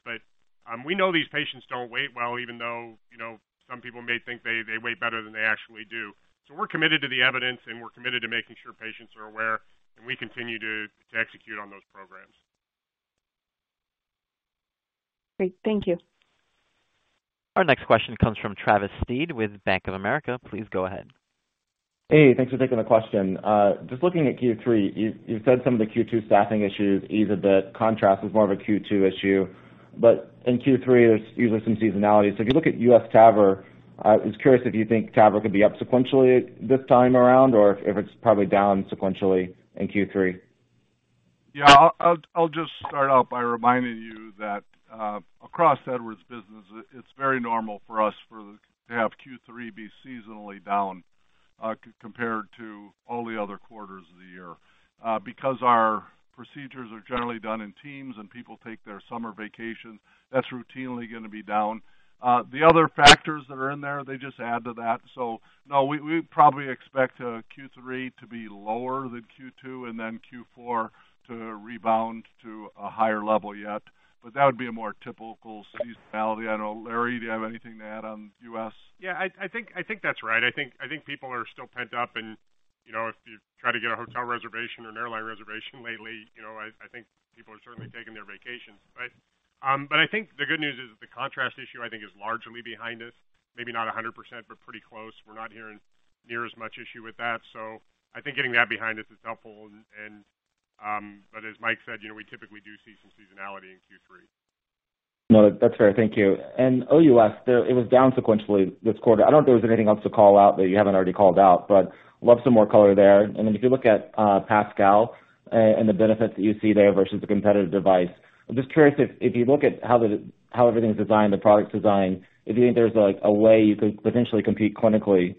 We know these patients don't wait well, even though, you know, some people may think they wait better than they actually do. We're committed to the evidence, and we're committed to making sure patients are aware, and we continue to execute on those programs. Great. Thank you. Our next question comes from Travis Steed with Bank of America. Please go ahead. Hey, thanks for taking the question. Just looking at Q3, you said some of the Q2 staffing issues eased, that contrast was more of a Q2 issue. In Q3, there's usually some seasonality. If you look at US TAVR, I was curious if you think TAVR could be up sequentially this time around or if it's probably down sequentially in Q3. I'll just start out by reminding you that across Edwards business, it's very normal for us to have Q3 be seasonally down compared to all the other quarters of the year. Our procedures are generally done in teams and people take their summer vacations, that's routinely gonna be down. The other factors that are in there, they just add to that. No, we probably expect Q3 to be lower than Q2 and then Q4 to rebound to a higher level yet. That would be a more typical seasonality. I don't know. Larry, do you have anything to add on US? Yeah, I think that's right. I think people are still pent-up. You know, if you try to get a hotel reservation or an airline reservation lately, you know, I think people are certainly taking their vacations. I think the good news is the contrast issue I think is largely behind us. Maybe not 100%, but pretty close. We're not hearing near as much issue with that. I think getting that behind us is helpful. As Mike said, you know, we typically do see some seasonality in Q3. No, that's fair. Thank you. OUS, it was down sequentially this quarter. I don't know if there was anything else to call out that you haven't already called out, but love some more color there. Then if you look at PASCAL and the benefits that you see there versus the competitive device, I'm just curious if you look at how everything's designed, the product design, if you think there's like a way you could potentially compete clinically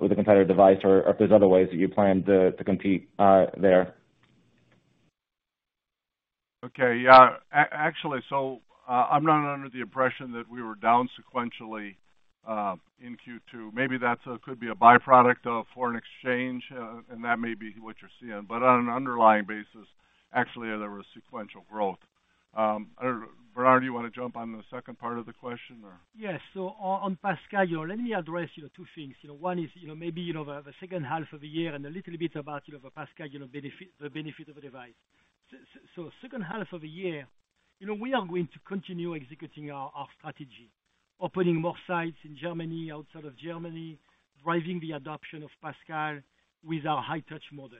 with a competitor device or if there's other ways that you plan to compete there. Okay. Yeah. Actually, I'm not under the impression that we were down sequentially in Q2. Maybe that could be a byproduct of foreign exchange, and that may be what you're seeing. On an underlying basis, actually, there was sequential growth. I don't know. Bernard, you wanna jump on the second part of the question or? Yes. On PASCAL, let me address, you know, two things. You know, one is, you know, maybe, you know, the second half of the year and a little bit about, you know, the PASCAL, you know, benefit, the benefit of the device. Second half of the year, you know, we are going to continue executing our strategy, opening more sites in Germany, outside of Germany, driving the adoption of PASCAL with our high touch model.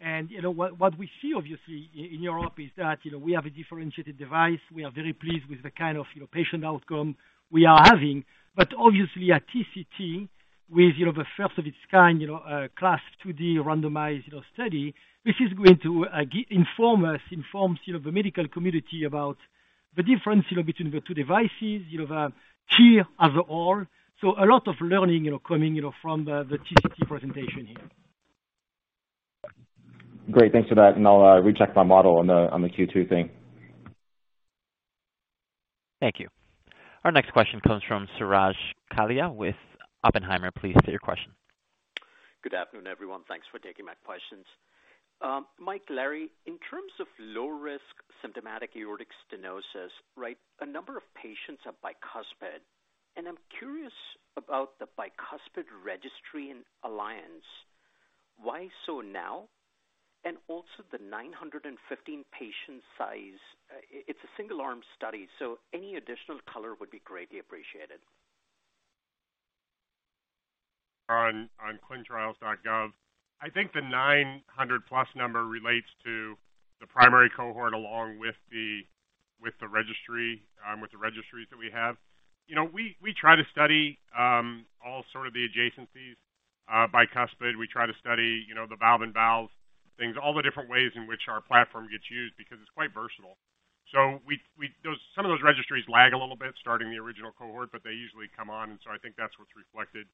You know what we see obviously in Europe is that, you know, we have a differentiated device. We are very pleased with the kind of, you know, patient outcome we are having. Obviously at TCT with, you know, the first of its kind, you know, CLASP IID randomized, you know, study, this is going to inform us, you know, the medical community about the difference, you know, between the two devices, you know, their overall. A lot of learning, you know, coming, you know, from the TCT presentation here. Great. Thanks for that. I'll recheck my model on the Q2 thing. Thank you. Our next question comes from Suraj Kalia with Oppenheimer. Please state your question. Good afternoon, everyone. Thanks for taking my questions. Mike, Larry, in terms of low risk symptomatic aortic stenosis, right, a number of patients are bicuspid, and I'm curious about the bicuspid registry and ALLIANCE. Why so now? Also the 915 patient size. It's a single arm study, so any additional color would be greatly appreciated. On ClinicalTrials.gov, I think the 900+ number relates to the primary cohort along with the registries that we have. You know, we try to study all sorts of the adjacencies, bicuspid. We try to study, you know, the valve-in-valve things, all the different ways in which our platform gets used because it's quite versatile. Some of those registries lag a little bit starting the original cohort, but they usually come on. I think that's what's reflected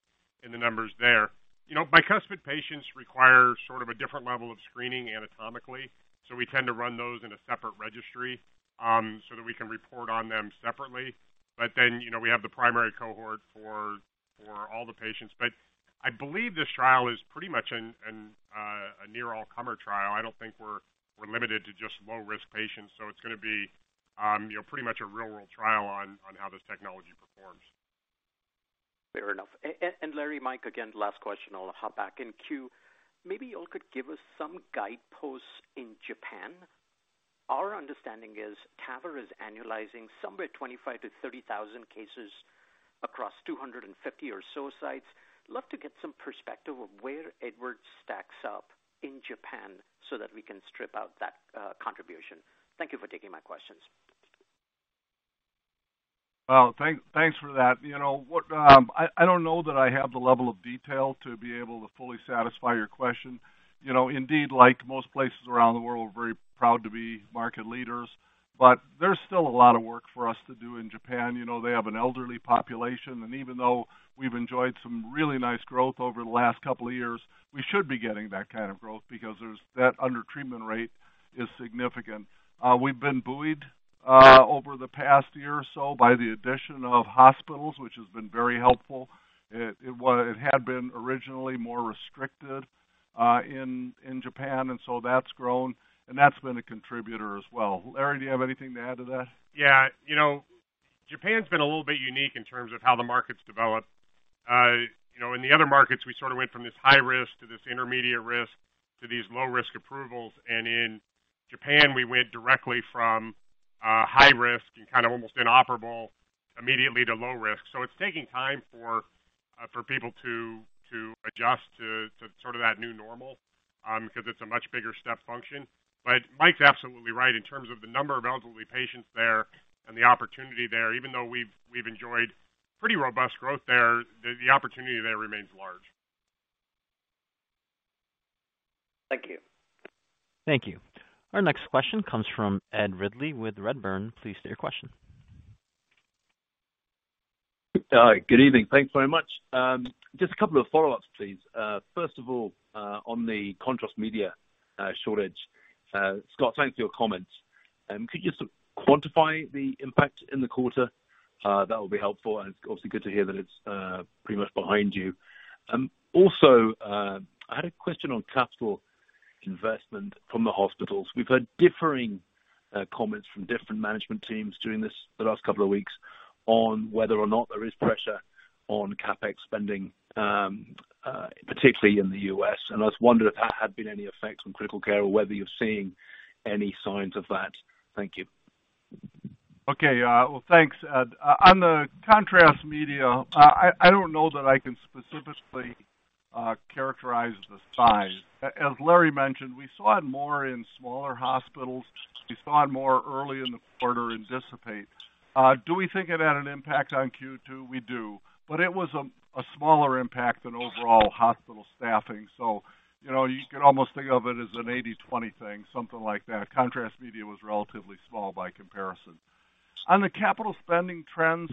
in the numbers there. You know, bicuspid patients require sort of a different level of screening anatomically, so we tend to run those in a separate registry so that we can report on them separately. You know, we have the primary cohort for all the patients. I believe this trial is pretty much a near all-comer trial. I don't think we're limited to just low-risk patients, so it's gonna be, you know, pretty much a real-world trial on how this technology performs. Fair enough. Larry, Mike, again, last question. I'll hop back in queue. Maybe you all could give us some guideposts in Japan. Our understanding is TAVR is annualizing somewhere 25,000-30,000 cases across 250 or so sites. Love to get some perspective of where Edwards stacks up in Japan so that we can strip out that contribution. Thank you for taking my questions. Well, thanks for that. You know what? I don't know that I have the level of detail to be able to fully satisfy your question. You know, indeed, like most places around the world, we're very proud to be market leaders, but there's still a lot of work for us to do in Japan. You know, they have an elderly population, and even though we've enjoyed some really nice growth over the last couple of years, we should be getting that kind of growth because that under-treatment rate is significant. We've been buoyed over the past year or so by the addition of hospitals, which has been very helpful. It had been originally more restricted in Japan, and so that's grown, and that's been a contributor as well. Larry, do you have anything to add to that? Yeah. You know, Japan's been a little bit unique in terms of how the market's developed. You know, in the other markets, we sort of went from this high risk to this intermediate risk to these low-risk approvals. In Japan, we went directly from high risk and kind of almost inoperable immediately to low risk. It's taking time for people to adjust to sort of that new normal because it's a much bigger step function. Mike's absolutely right in terms of the number of elderly patients there and the opportunity there. Even though we've enjoyed pretty robust growth there, the opportunity there remains large. Thank you. Thank you. Our next question comes from Ed Ridley-Day with Redburn. Please state your question. Good evening. Thanks very much. Just a couple of follow-ups, please. First of all, on the contrast media shortage, Scott, thanks for your comments. Could you sort of quantify the impact in the quarter? That would be helpful, and it's obviously good to hear that it's pretty much behind you. Also, I had a question on capital investment from the hospitals. We've heard differing comments from different management teams during this, the last couple of weeks on whether or not there is pressure on CapEx spending, particularly in the U.S. I was wondering if that had been any effect on critical care or whether you're seeing any signs of that. Thank you. Okay. Well, thanks, Ed. On the contrast media, I don't know that I can specifically characterize the size. As Larry mentioned, we saw it more in smaller hospitals. We saw it more early in the quarter and dissipate. Do we think it had an impact on Q2? We do, but it was a smaller impact than overall hospital staffing. You know, you could almost think of it as an 80/20 thing, something like that. Contrast media was relatively small by comparison. On the capital spending trends,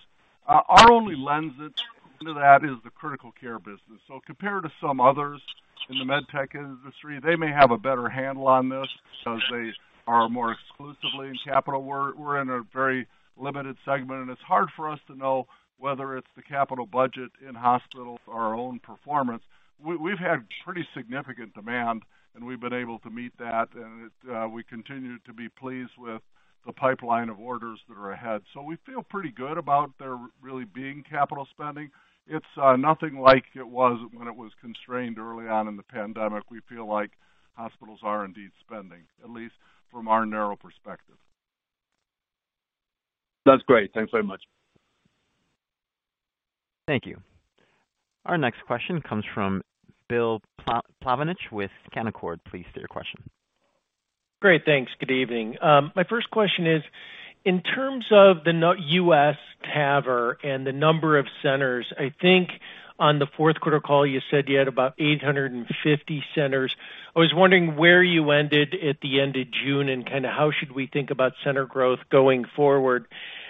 our only lens into that is the critical care business. Compared to some others in the med tech industry, they may have a better handle on this because they are more exclusively in capital. We're in a very limited segment, and it's hard for us to know whether it's the capital budget in hospitals or our own performance. We've had pretty significant demand, and we've been able to meet that, we continue to be pleased with the pipeline of orders that are ahead. We feel pretty good about there really being capital spending. It's nothing like it was when it was constrained early on in the pandemic. We feel like hospitals are indeed spending, at least from our narrow perspective. That's great. Thanks very much. Thank you. Our next question comes from Bill Plovanic with Canaccord Genuity. Please state your question. Great, thanks. Good evening. My first question is in terms of the U.S. TAVR and the number of centers. I think on the fourth quarter call, you said you had about 850 centers. I was wondering where you ended at the end of June and kind of how should we think about center growth going forward.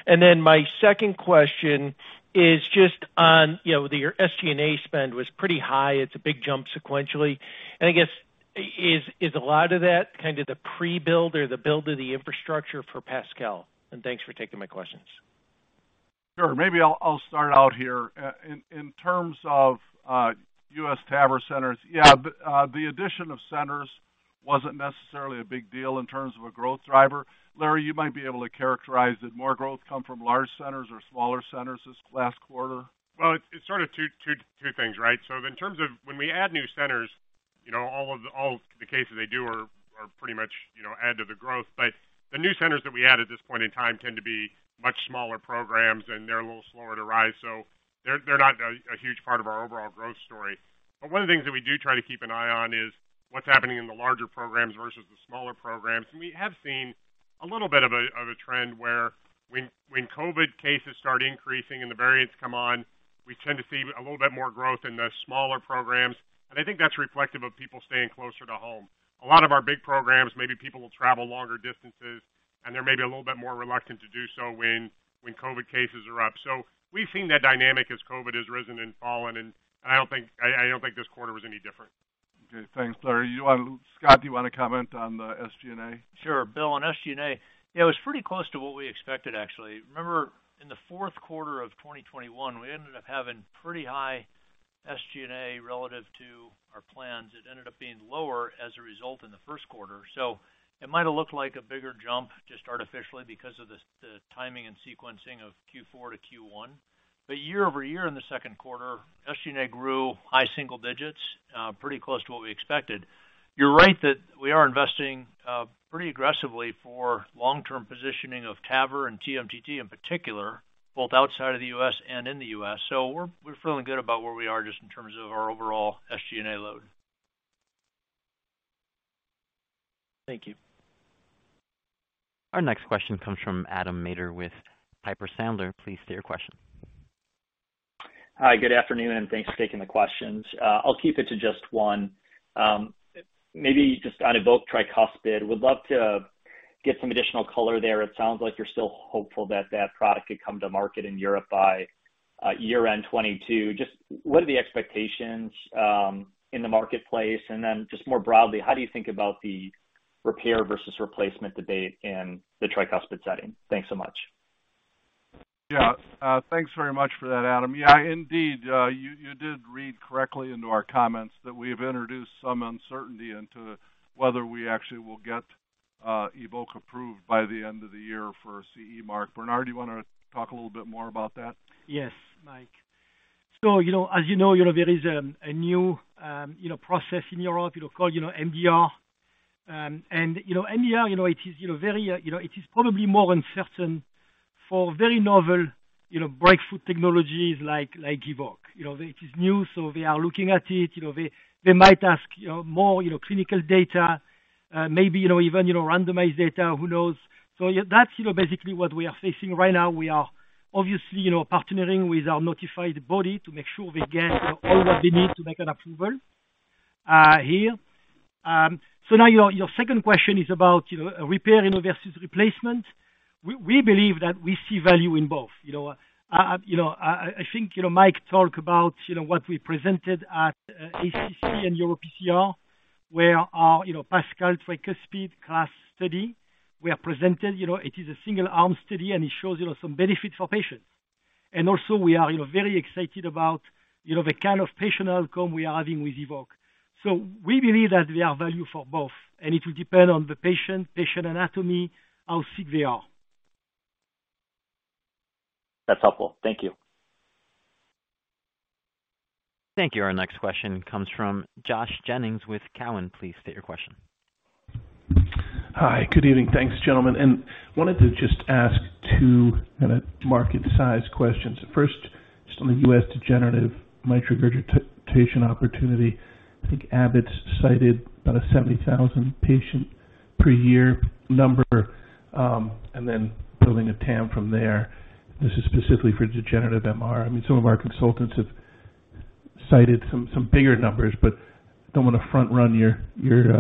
My second question is just on, you know, your SG&A spend was pretty high. It's a big jump sequentially. I guess, is a lot of that kind of the pre-build or the build of the infrastructure for PASCAL? Thanks for taking my questions. Sure. Maybe I'll start out here. In terms of U.S. TAVR centers, yeah, the addition of centers wasn't necessarily a big deal in terms of a growth driver. Larry, you might be able to characterize, did more growth come from large centers or smaller centers this last quarter? Well, it's sort of two things, right? In terms of when we add new centers, you know, all of the cases they do are pretty much, you know, add to the growth. The new centers that we add at this point in time tend to be much smaller programs, and they're a little slower to rise. They're not a huge part of our overall growth story. One of the things that we do try to keep an eye on is what's happening in the larger programs versus the smaller programs. We have seen a little bit of a trend where when COVID cases start increasing and the variants come on, we tend to see a little bit more growth in the smaller programs. I think that's reflective of people staying closer to home. A lot of our big programs, maybe people will travel longer distances, and they're maybe a little bit more reluctant to do so when COVID cases are up. We've seen that dynamic as COVID has risen and fallen, and I don't think this quarter was any different. Okay, thanks, Larry. Scott, do you wanna comment on the SG&A? Sure. Bill, on SG&A, yeah, it was pretty close to what we expected actually. Remember in the fourth quarter of 2021, we ended up having pretty high SG&A relative to our plans. It ended up being lower as a result in the first quarter. It might've looked like a bigger jump just artificially because of the timing and sequencing of Q4 to Q1. Year over year in the second quarter, SG&A grew high single digits, pretty close to what we expected. You're right that we are investing pretty aggressively for long-term positioning of TAVR and TMTT in particular, both outside of the U.S. and in the U.S. We're feeling good about where we are just in terms of our overall SG&A load. Thank you. Our next question comes from Adam Maeder with Piper Sandler. Please state your question. Hi, good afternoon, and thanks for taking the questions. I'll keep it to just one. Maybe just on EVOQUE tricuspid. Would love to get some additional color there. It sounds like you're still hopeful that that product could come to market in Europe by year-end 2022. Just what are the expectations in the marketplace? And then just more broadly, how do you think about the repair versus replacement debate in the tricuspid setting? Thanks so much. Yeah. Thanks very much for that, Adam. Yeah, indeed, you did read correctly into our comments that we've introduced some uncertainty into whether we actually will get EVOQUE approved by the end of the year for CE mark. Bernard, do you wanna talk a little bit more about that? Yes, Mike. You know, as you know, you know, there is a new process in Europe, you know, called MDR. You know, MDR, you know, it is very, you know, it is probably more uncertain for very novel breakthrough technologies like EVOQUE. You know, it is new, so they are looking at it. You know, they might ask more clinical data, maybe even randomized data, who knows? Yeah, that's basically what we are facing right now. We are obviously partnering with our notified body to make sure we get all that they need to make an approval here. Now your second question is about repair versus replacement. We believe that we see value in both, you know. I think, you know, Mike talk about, you know, what we presented at ACC and EuroPCR, where our PASCAL Tricuspid CLASP study, we have presented, you know, it is a single-arm study, and it shows, you know, some benefits for patients. Also we are, you know, very excited about, you know, the kind of patient outcome we are having with EVOQUE. We believe that there are value for both, and it will depend on the patient anatomy, how sick they are. That's helpful. Thank you. Thank you. Our next question comes from Josh Jennings with Cowen. Please state your question. Hi. Good evening. Thanks, gentlemen. Wanted to just ask two kinda market size questions. First, just on the U.S. degenerative mitral regurgitation opportunity. I think Abbott's cited about a 70,000 patient per year number, and then building a TAM from there. This is specifically for degenerative MR. I mean, some of our consultants have cited some bigger numbers, but don't wanna front run your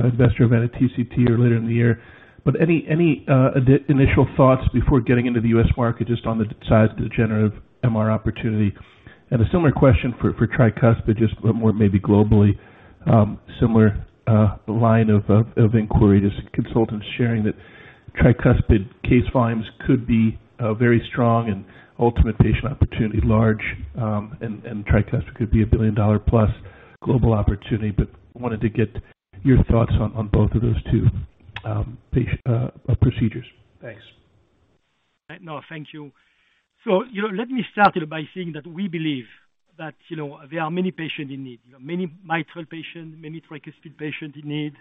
investor event at TCT or later in the year. Any initial thoughts before getting into the U.S. market just on the size of the degenerative MR opportunity? A similar question for tricuspid, just more maybe globally. Similar line of inquiry, just consultants sharing that tricuspid case volumes could be very strong and ultimate patient opportunity large, and tricuspid could be a billion-dollar-plus global opportunity, but wanted to get your thoughts on both of those two procedures. Thanks. No, thank you. You know, let me start by saying that we believe that, you know, there are many patients in need. Many mitral patients, many tricuspid patients in need,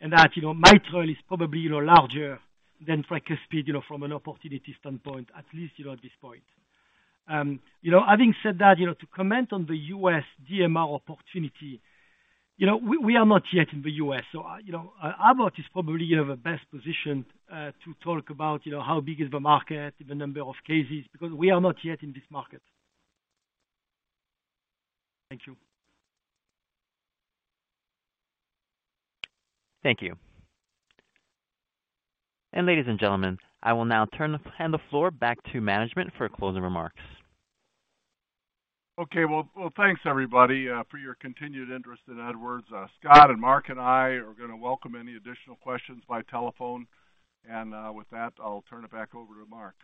and that, you know, mitral is probably, you know, larger than tricuspid, you know, from an opportunity standpoint, at least, you know, at this point. You know, having said that, you know, to comment on the U.S. DMR opportunity, you know, we are not yet in the U.S., so, you know, Abbott is probably, you know, the best positioned to talk about, you know, how big is the market, the number of cases, because we are not yet in this market. Thank you. Thank you. Ladies and gentlemen, I will now hand the floor back to management for closing remarks. Okay. Well, thanks, everybody, for your continued interest in Edwards. Scott and Mark and I are gonna welcome any additional questions by telephone. With that, I'll turn it back over to Mark.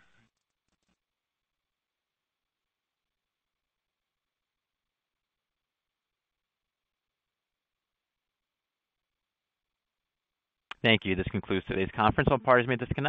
Thank you. This concludes today's conference. All parties may disconnect.